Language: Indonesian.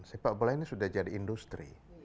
sepak bola ini sudah jadi industri